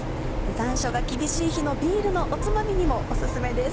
残暑が厳しい日のビールのおつまみにもオススメです。